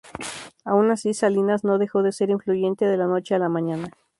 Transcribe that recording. Aun así, Salinas no dejó de ser influyente de la noche a la mañana.